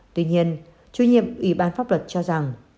tuy nhiên chủ nhiệm ủy ban pháp luật cho rằng